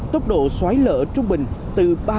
tốc độ xoáy lên đối với nguy cơ không thể tái sản xuất